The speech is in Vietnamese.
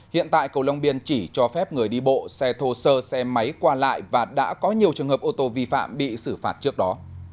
hiện tại cầu long biên chỉ cho phép người đi bộ xe thô sơ xe máy qua lại và đã có nhiều trường hợp ô tô vi phạm bị xử phạt trước đó